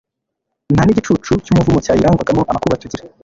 nta nigicucu cyumuvumo cyayirangwagamo Amakuba tugira